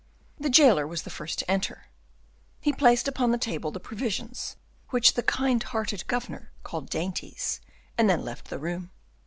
The jailer was the first to enter; he placed upon the table the provisions, which the kind hearted governor called dainties, and then left the room.